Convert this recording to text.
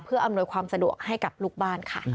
เพื่ออำนวยความสะดวกให้กับลูกบ้านค่ะ